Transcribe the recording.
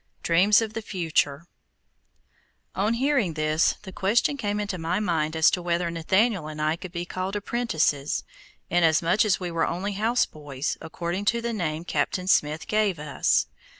DREAMS OF THE FUTURE On hearing this, the question came into my mind as to whether Nathaniel and I could be called apprentices, inasmuch as we were only houseboys, according to the name Captain Smith gave us.